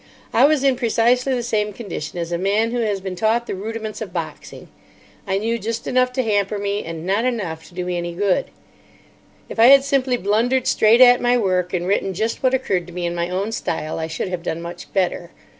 I was in precisely the same condition as a man who has been taught the rudiments of boxing. I knew just enough to hamper me, and not enough to do me any good. If I had simply blundered straight at my work and written just what occurred to me in my own style, I should have done much better.